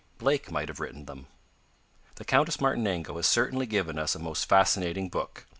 Blake might have written them. The Countess Martinengo has certainly given us a most fascinating book.